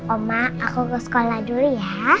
oma aku ke sekolah dulu ya